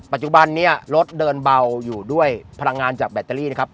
ปัจจุบันนี้รถเดินเบาอยู่ด้วยพลังงานจากแบตเตอรี่นะครับ